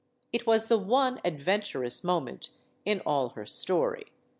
It was the one adventuress moment in all her story.